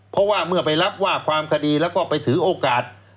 เพราะว่าเมื่อไปรับว่าความคดีแล้วก็ไปถือโอกาส